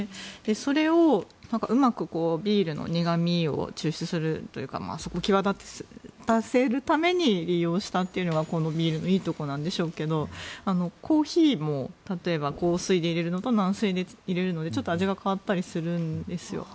それをうまくビールの苦味を抽出するというかそこを際立たせるために利用したというのがこのビールのいいところなんでしょうけどコーヒーも例えば硬水で入れるのと軟水で入れるのでちょっと味が変わったりするんですよ。